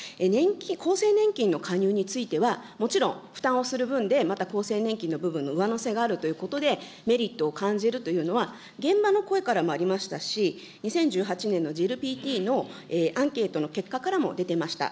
厚生年金の加入については、もちろん、負担をする分でまた厚生年金の部分の上乗せがあるということで、メリットを感じるというのは、現場の声からもありましたし、２０１８年ののアンケートの結果からも出ていました。